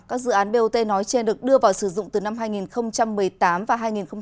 các dự án bot nói trên được đưa vào sử dụng từ năm hai nghìn một mươi tám và hai nghìn một mươi bảy